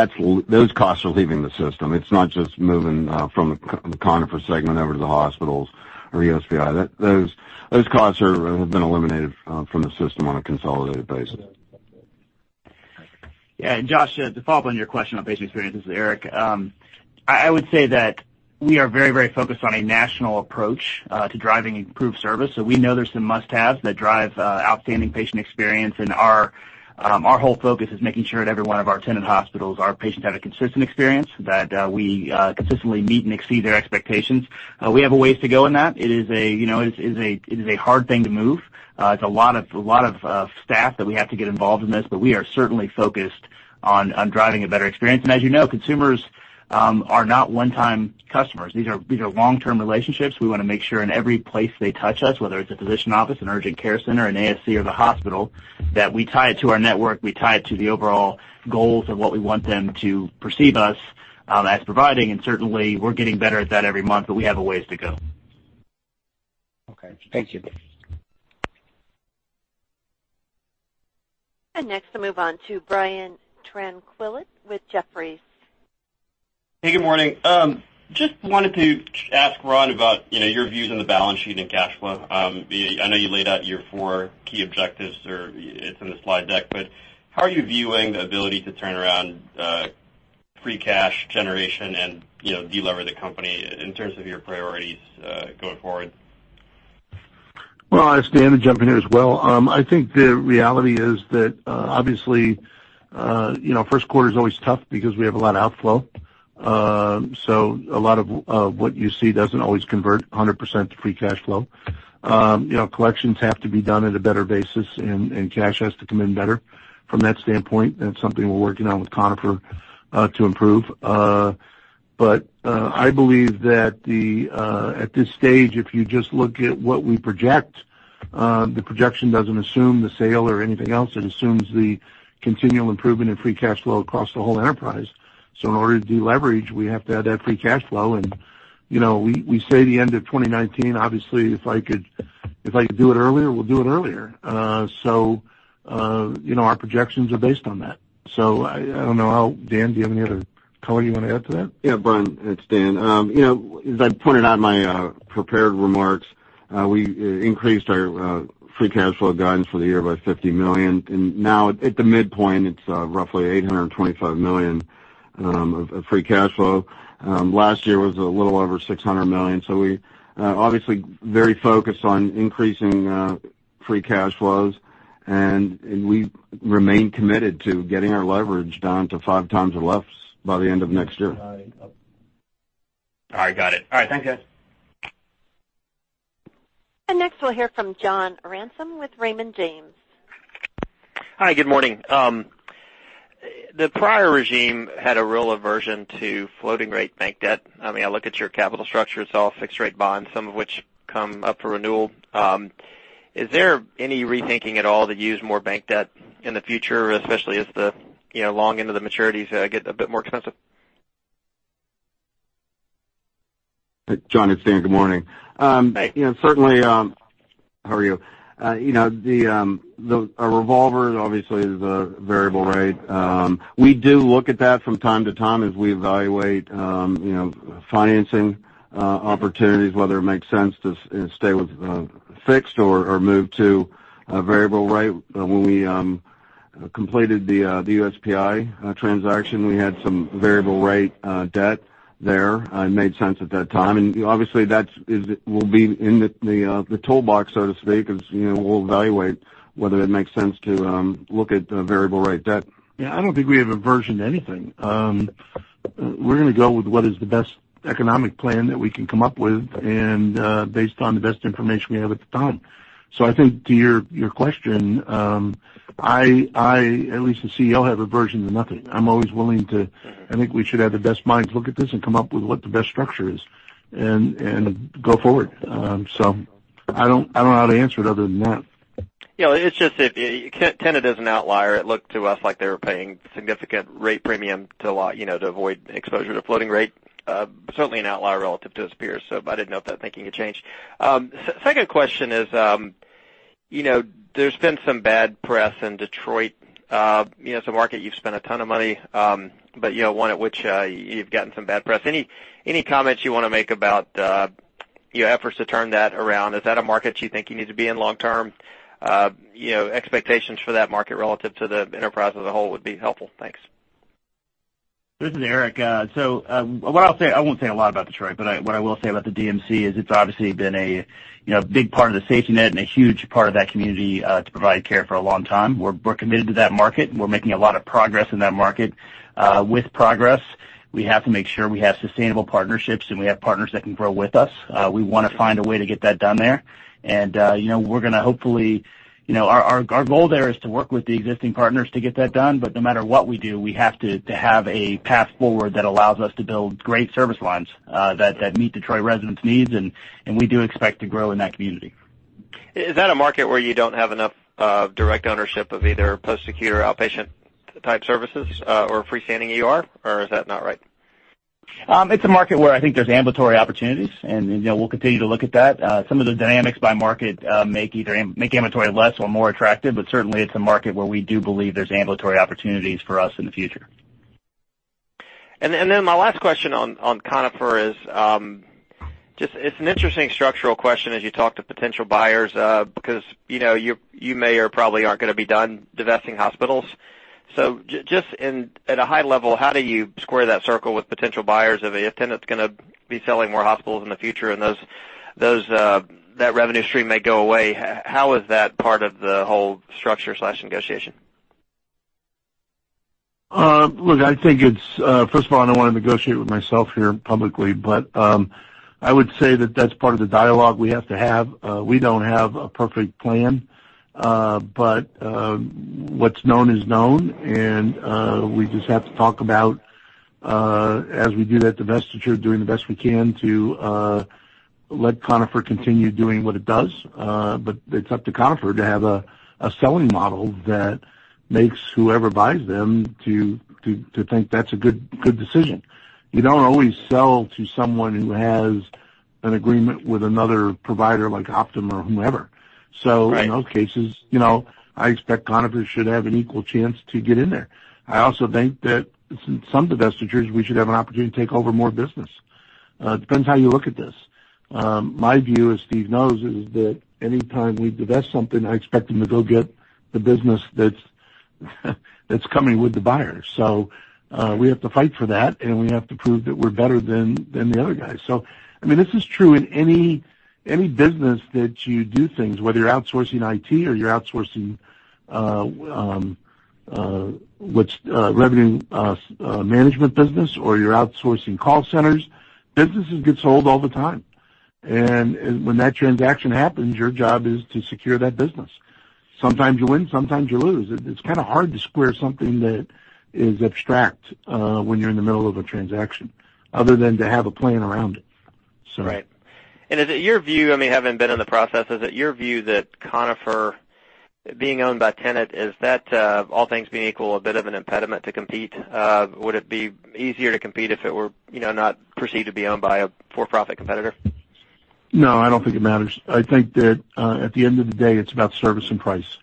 S4: those costs are leaving the system. It's not just moving from the Conifer segment over to the hospitals or USPI. Those costs have been eliminated from the system on a consolidated basis.
S9: Yeah. Josh, to follow up on your question on patient experience, this is Eric. I would say that we are very focused on a national approach to driving improved service. We know there's some must-haves that drive outstanding patient experience, our whole focus is making sure at every one of our Tenet hospitals, our patients have a consistent experience, that we consistently meet and exceed their expectations. We have a ways to go in that. It is a hard thing to move. It's a lot of staff that we have to get involved in this, we are certainly focused on driving a better experience. As you know, consumers are not one-time customers. These are long-term relationships. We want to make sure in every place they touch us, whether it's a physician office, an urgent care center, an ASC or the hospital, that we tie it to our network, we tie it to the overall goals of what we want them to perceive us as providing. Certainly, we're getting better at that every month, we have a ways to go.
S12: Okay. Thank you.
S1: Next, we'll move on to Brian Tanquilut with Jefferies.
S13: Hey, good morning. Just wanted to ask Ron about your views on the balance sheet and cash flow. I know you laid out your four key objectives, it's in the slide deck, but how are you viewing the ability to turn around free cash generation and de-lever the company in terms of your priorities, going forward?
S4: Well, this is Dan. I'll jump in here as well. I think the reality is that, obviously, first quarter is always tough because we have a lot of outflow. A lot of what you see doesn't always convert 100% to free cash flow. Collections have to be done at a better basis, and cash has to come in better. From that standpoint, that's something we're working on with Conifer to improve. I believe that at this stage, if you just look at what we project, the projection doesn't assume the sale or anything else. It assumes the continual improvement in free cash flow across the whole enterprise. In order to de-leverage, we have to have that free cash flow and we say the end of 2019. Obviously, if I could do it earlier, we'll do it earlier. Our projections are based on that.
S3: I don't know how Dan, do you have any other color you want to add to that?
S4: Yeah, Brian, it's Dan. As I pointed out in my prepared remarks, we increased our free cash flow guidance for the year by $50 million, and now at the midpoint, it's roughly $825 million of free cash flow. Last year was a little over $600 million. We're obviously very focused on increasing free cash flows, and we remain committed to getting our leverage down to 5 times or less by the end of next year.
S13: All right, got it. All right, thanks, guys.
S1: Next we'll hear from John Ransom with Raymond James.
S14: Hi, good morning. The prior regime had a real aversion to floating rate bank debt. I look at your capital structure, it's all fixed rate bonds, some of which come up for renewal. Is there any rethinking at all to use more bank debt in the future, especially as the long end of the maturities get a bit more expensive?
S4: John, it's Dan. Good morning.
S14: Thanks.
S4: How are you? Our revolver obviously is a variable rate. We do look at that from time to time as we evaluate financing opportunities, whether it makes sense to stay with fixed or move to a variable rate. When we completed the USPI transaction, we had some variable rate debt there. It made sense at that time. Obviously that will be in the toolbox, so to speak, as we'll evaluate whether it makes sense to look at variable rate debt.
S3: Yeah, I don't think we have aversion to anything. We're going to go with what is the best economic plan that we can come up with. Based on the best information we have at the time. I think to your question, I, at least the CEO, have aversion to nothing. I think we should have the best minds look at this and come up with what the best structure is and go forward. I don't know how to answer it other than that.
S14: It's just that Tenet is an outlier. It looked to us like they were paying significant rate premium to avoid exposure to floating rate. Certainly an outlier relative to its peers. I didn't know if that thinking had changed. Second question is, there's been some bad press in Detroit. It's a market you've spent a ton of money, but one at which you've gotten some bad press. Any comments you want to make about your efforts to turn that around? Is that a market you think you need to be in long term? Expectations for that market relative to the enterprise as a whole would be helpful. Thanks.
S9: This is Eric. What I'll say, I won't say a lot about Detroit, but what I will say about the DMC is it's obviously been a big part of the safety net and a huge part of that community to provide care for a long time. We're committed to that market. We're making a lot of progress in that market. With progress, we have to make sure we have sustainable partnerships and we have partners that can grow with us. We want to find a way to get that done there. Our goal there is to work with the existing partners to get that done. No matter what we do, we have to have a path forward that allows us to build great service lines, that meet Detroit residents' needs, and we do expect to grow in that community.
S14: Is that a market where you don't have enough direct ownership of either post-acute or outpatient type services, or a freestanding ER, or is that not right?
S9: It's a market where I think there's ambulatory opportunities. We'll continue to look at that. Some of the dynamics by market make ambulatory less or more attractive, certainly it's a market where we do believe there's ambulatory opportunities for us in the future.
S14: My last question on Conifer is, it's an interesting structural question as you talk to potential buyers, because you may or probably aren't going to be done divesting hospitals. Just at a high level, how do you square that circle with potential buyers if Tenet's going to be selling more hospitals in the future and that revenue stream may go away? How is that part of the whole structure/negotiation?
S3: Look, I think first of all, I don't want to negotiate with myself here publicly, but I would say that that's part of the dialogue we have to have. We don't have a perfect plan. What's known is known, and we just have to talk about, as we do that divestiture, doing the best we can to let Conifer continue doing what it does. It's up to Conifer to have a selling model that makes whoever buys them to think that's a good decision. You don't always sell to someone who has an agreement with another provider like Optum or whomever.
S9: Right.
S3: In those cases, I expect Conifer should have an equal chance to get in there. I also think that in some divestitures, we should have an opportunity to take over more business. Depends how you look at this. My view, as Steve knows, is that any time we divest something, I expect him to go get the business that's coming with the buyer. We have to fight for that, and we have to prove that we're better than the other guy. This is true in any business that you do things, whether you're outsourcing IT or you're outsourcing revenue management business, or you're outsourcing call centers. Businesses get sold all the time, and when that transaction happens, your job is to secure that business. Sometimes you win, sometimes you lose. It's kind of hard to square something that is abstract when you're in the middle of a transaction, other than to have a plan around it.
S14: Right. Is it your view, having been in the process, is it your view that Conifer, being owned by Tenet, is that, all things being equal, a bit of an impediment to compete? Would it be easier to compete if it were not perceived to be owned by a for-profit competitor?
S3: No, I don't think it matters. I think that at the end of the day, it's about service and price.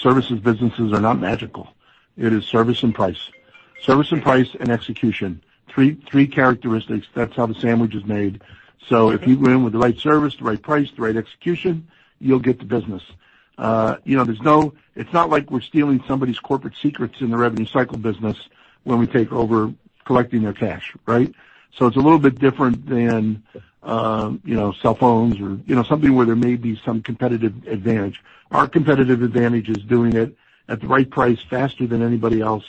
S3: Services businesses are not magical. It is service and price. Service and price and execution. Three characteristics. That's how the sandwich is made. If you go in with the right service, the right price, the right execution, you'll get the business. It's not like we're stealing somebody's corporate secrets in the revenue cycle business when we take over collecting their cash, right? It's a little bit different than cell phones or something where there may be some competitive advantage. Our competitive advantage is doing it at the right price faster than anybody else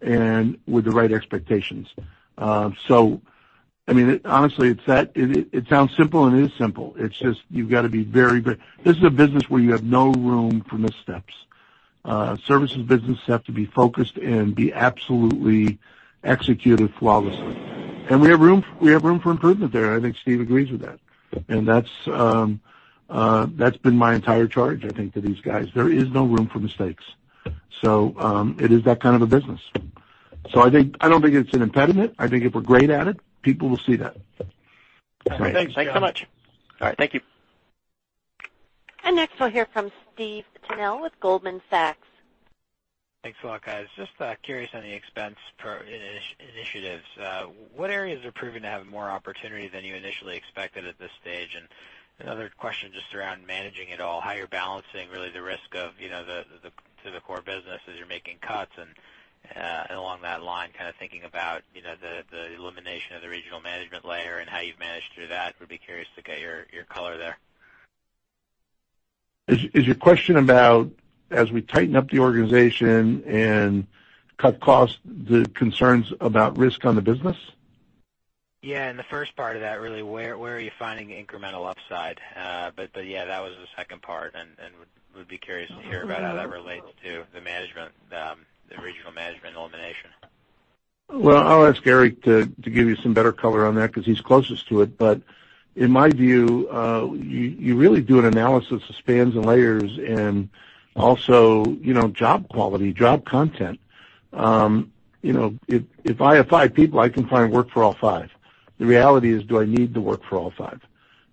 S3: and with the right expectations. Honestly, it sounds simple and it is simple. It's just you've got to be very good. This is a business where you have no room for missteps. Services business have to be focused and be absolutely executed flawlessly. We have room for improvement there. I think Steve agrees with that. That's been my entire charge, I think, to these guys. There is no room for mistakes. It is that kind of a business. I don't think it's an impediment. I think if we're great at it, people will see that.
S14: Great. Thanks so much.
S3: All right.
S14: Thank you.
S1: Next, we'll hear from Steve Tanal with Goldman Sachs.
S15: Thanks a lot, guys. Just curious on the expense initiatives. What areas are proving to have more opportunity than you initially expected at this stage? Another question just around managing it all, how you're balancing really the risk to the core business as you're making cuts and along that line, kind of thinking about the elimination of the regional management layer and how you've managed through that. Would be curious to get your color there.
S3: Is your question about as we tighten up the organization and cut costs, the concerns about risk on the business?
S15: Yeah, in the first part of that, really, where are you finding incremental upside? Yeah, that was the second part and would be curious to hear about how that relates to the regional management elimination.
S3: Well, I'll ask Eric to give you some better color on that because he's closest to it. In my view, you really do an analysis of spans and layers and also job quality, job content. If I have five people, I can find work for all five. The reality is, do I need the work for all five?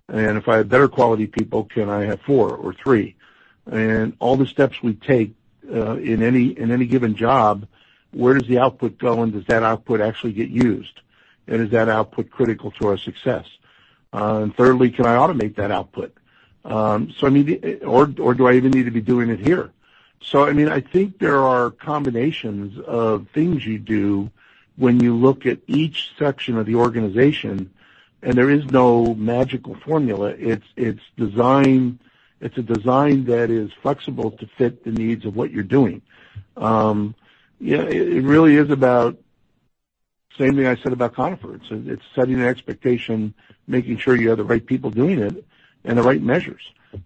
S3: If I have better quality people, can I have four or three? All the steps we take in any given job, where does the output go, and does that output actually get used? Is that output critical to our success? Thirdly, can I automate that output? Do I even need to be doing it here? I think there are combinations of things you do when you look at each section of the organization, and there is no magical formula. It's a design that is flexible to fit the needs of what you're doing. It really is about same thing I said about Conifer. It's setting an expectation, making sure you have the right people doing it and the right measures.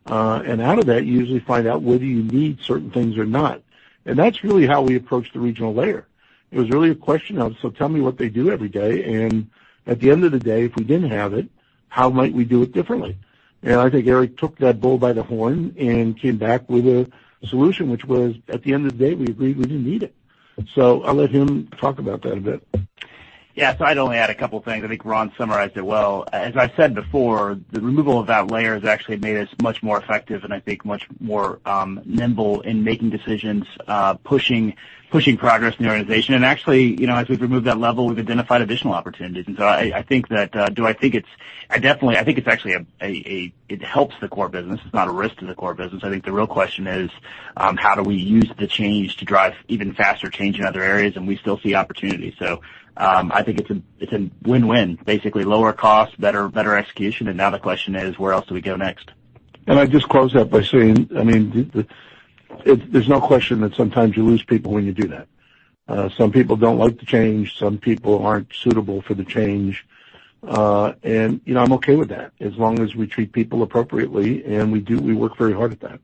S3: Out of that, you usually find out whether you need certain things or not. That's really how we approached the regional layer. It was really a question of, tell me what they do every day, and at the end of the day, if we didn't have it, how might we do it differently? I think Eric took that bull by the horn and came back with a solution, which was, at the end of the day, we agreed we didn't need it. I'll let him talk about that a bit.
S9: Yeah. I'd only add a couple of things. I think Ron summarized it well. As I said before, the removal of that layer has actually made us much more effective and I think much more nimble in making decisions, pushing progress in the organization. Actually, as we've removed that level, we've identified additional opportunities. I think it helps the core business. It's not a risk to the core business. I think the real question is, how do we use the change to drive even faster change in other areas? We still see opportunity. I think it's a win-win. Basically lower cost, better execution, now the question is, where else do we go next?
S3: I just close that by saying, there's no question that sometimes you lose people when you do that. Some people don't like the change, some people aren't suitable for the change. I'm okay with that as long as we treat people appropriately, and we do. We work very hard at that.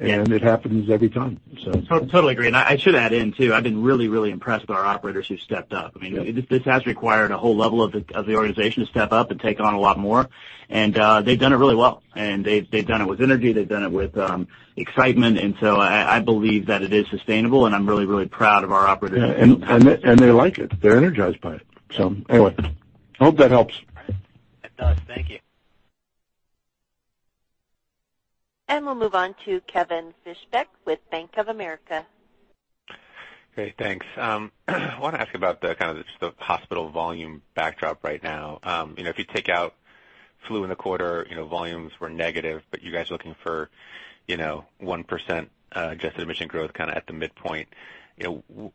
S3: It happens every time.
S9: Totally agree. I should add in, too, I've been really, really impressed with our operators who stepped up. This has required a whole level of the organization to step up and take on a lot more. They've done it really well. They've done it with energy. They've done it with excitement. I believe that it is sustainable, I'm really, really proud of our operators.
S3: Yeah. They like it. They're energized by it. Anyway, I hope that helps.
S1: We'll move on to Kevin Fischbeck with Bank of America.
S16: Great. Thanks. I want to ask about the hospital volume backdrop right now. If you take out flu in the quarter, volumes were negative, but you guys are looking for 1% adjusted admission growth at the midpoint.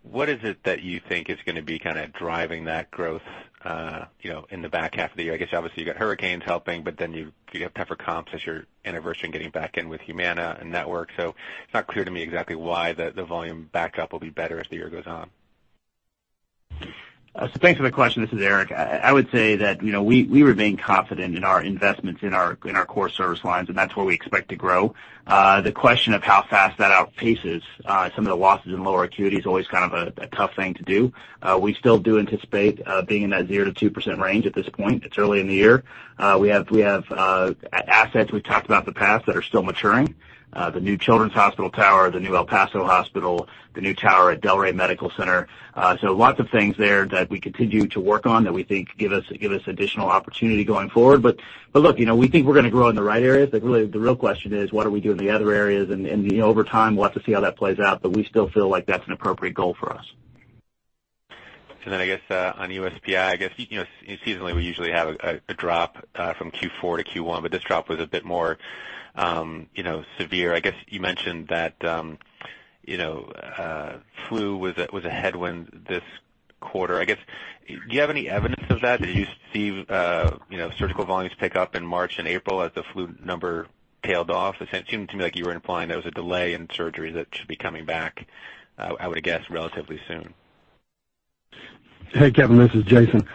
S16: What is it that you think is going to be driving that growth in the back half of the year? Obviously, you've got hurricanes helping, but then you have tougher comps as you're anniversarying getting back in with Humana and network. It's not clear to me exactly why the volume backdrop will be better as the year goes on.
S9: Thanks for the question. This is Eric. I would say that we remain confident in our investments in our core service lines, and that's where we expect to grow. The question of how fast that outpaces some of the losses in lower acuity is always kind of a tough thing to do. We still do anticipate being in that 0%-2% range at this point. It's early in the year. We have assets we've talked about in the past that are still maturing. The new Children's Hospital tower, the new El Paso hospital, the new tower at Delray Medical Center. Lots of things there that we continue to work on that we think give us additional opportunity going forward. Look, we think we're going to grow in the right areas, but really, the real question is, what are we doing in the other areas? Over time, we'll have to see how that plays out, but we still feel like that's an appropriate goal for us.
S16: On USPI, seasonally, we usually have a drop from Q4 to Q1, but this drop was a bit more severe. You mentioned that flu was a headwind this quarter. Do you have any evidence of that? Do you see surgical volumes pick up in March and April as the flu number tailed off? It seemed to me like you were implying there was a delay in surgeries that should be coming back, I would guess, relatively soon.
S7: Hey, Kevin, this is Jason.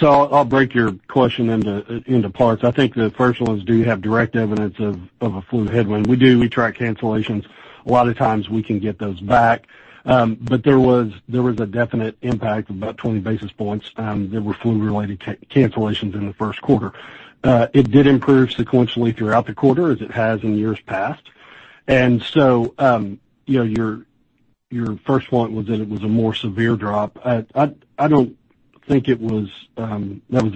S7: I'll break your question into parts. I think the first one is, do you have direct evidence of a flu headwind? We do. We track cancellations. A lot of times we can get those back. But there was a definite impact of about 20 basis points that were flu-related cancellations in the first quarter. It did improve sequentially throughout the quarter, as it has in years past. Your first point was that it was a more severe drop. I don't think that was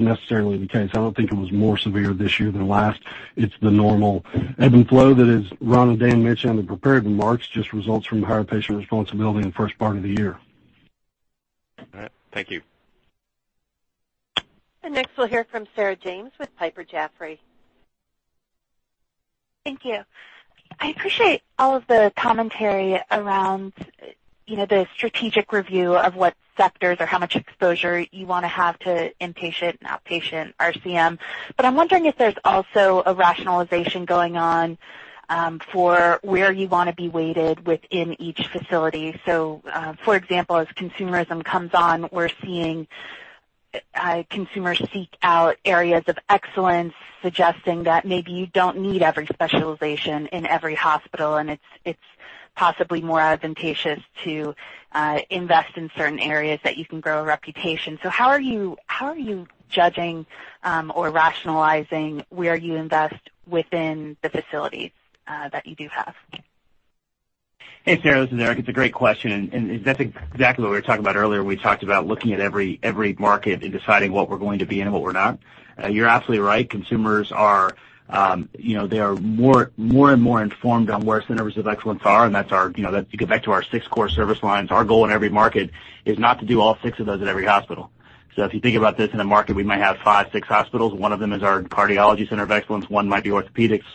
S7: necessarily the case. I don't think it was more severe this year than last. It's the normal ebb and flow that, as Ron and Dan mentioned on the prepared remarks, just results from higher patient responsibility in the first part of the year.
S16: All right. Thank you.
S1: Next we'll hear from Sarah James with Piper Jaffray.
S17: Thank you. I appreciate all of the commentary around the strategic review of what sectors or how much exposure you want to have to inpatient and outpatient RCM. I'm wondering if there's also a rationalization going on for where you want to be weighted within each facility. For example, as consumerism comes on, we're seeing consumers seek out areas of excellence, suggesting that maybe you don't need every specialization in every hospital, and it's possibly more advantageous to invest in certain areas that you can grow a reputation. How are you judging or rationalizing where you invest within the facilities that you do have?
S9: Hey, Sarah. This is Eric. It's a great question, and that's exactly what we were talking about earlier. We talked about looking at every market and deciding what we're going to be in and what we're not. You're absolutely right. Consumers are more and more informed on where centers of excellence are, and to get back to our 6 core service lines, our goal in every market is not to do all 6 of those at every hospital. If you think about this, in a market, we might have 5, 6 hospitals. One of them is our cardiology center of excellence. One might be orthopedics.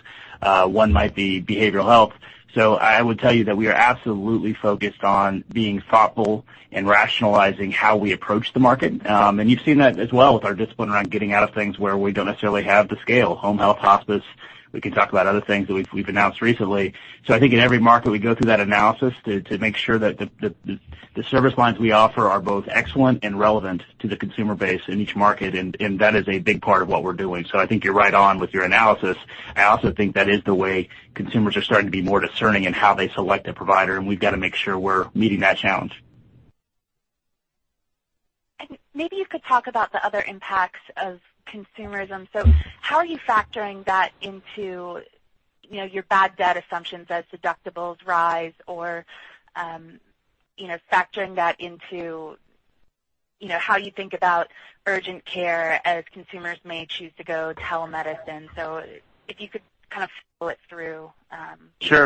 S9: One might be behavioral health. I would tell you that we are absolutely focused on being thoughtful and rationalizing how we approach the market. You've seen that as well with our discipline around getting out of things where we don't necessarily have the scale. Home health, hospice. We can talk about other things that we've announced recently. I think in every market, we go through that analysis to make sure that the service lines we offer are both excellent and relevant to the consumer base in each market, and that is a big part of what we're doing. I think you're right on with your analysis. I also think that is the way consumers are starting to be more discerning in how they select a provider, and we've got to make sure we're meeting that challenge.
S17: Maybe you could talk about the other impacts of consumerism. How are you factoring that into your bad debt assumptions as deductibles rise or factoring that into how you think about urgent care as consumers may choose to go telemedicine? If you could kind of follow it through.
S9: Sure.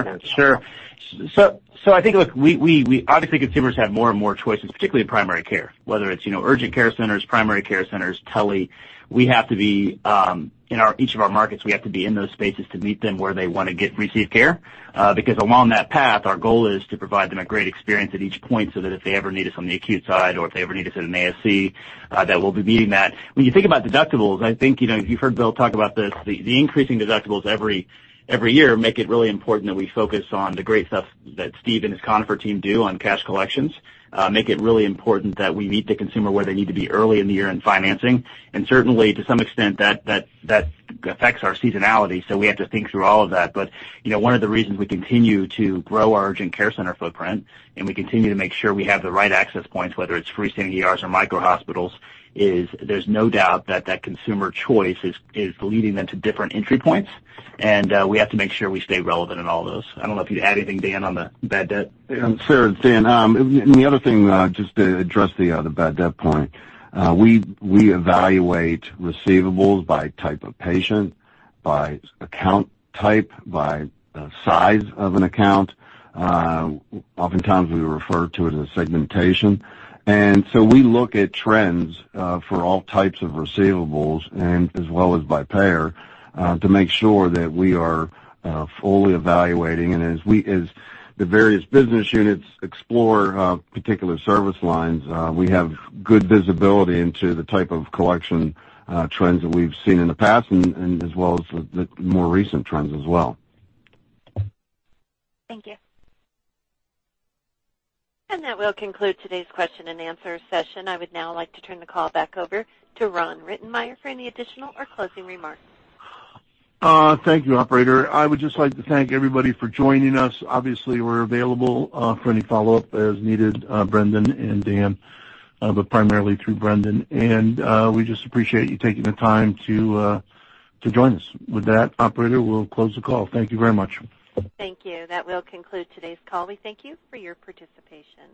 S9: I think, look, obviously, consumers have more and more choices, particularly in primary care, whether it's urgent care centers, primary care centers, tele. In each of our markets, we have to be in those spaces to meet them where they want to receive care. Because along that path, our goal is to provide them a great experience at each point so that if they ever need us on the acute side or if they ever need us in an ASC, that we'll be meeting that. When you think about deductibles, I think you've heard Bill talk about this. The increasing deductibles every year make it really important that we focus on the great stuff that Steve and his Conifer team do on cash collections, make it really important that we meet the consumer where they need to be early in the year in financing. Certainly, to some extent, that affects our seasonality, we have to think through all of that. One of the reasons we continue to grow our urgent care center footprint and we continue to make sure we have the right access points, whether it's freestanding ERs or micro hospitals, is there's no doubt that that consumer choice is leading them to different entry points, and we have to make sure we stay relevant in all those. I don't know if you'd add anything, Dan, on the bad debt.
S4: Sarah, it's Dan. The other thing, just to address the bad debt point, we evaluate receivables by type of patient, by account type, by size of an account. Oftentimes, we refer to it as segmentation. We look at trends for all types of receivables and as well as by payer, to make sure that we are fully evaluating. As the various business units explore particular service lines, we have good visibility into the type of collection trends that we've seen in the past and as well as the more recent trends as well.
S17: Thank you.
S1: That will conclude today's question and answer session. I would now like to turn the call back over to Ron Rittenmeyer for any additional or closing remarks.
S3: Thank you, operator. I would just like to thank everybody for joining us. Obviously, we're available for any follow-up as needed, Brendan and Dan, but primarily through Brendan. We just appreciate you taking the time to join us. With that, operator, we'll close the call. Thank you very much.
S1: Thank you. That will conclude today's call. We thank you for your participation.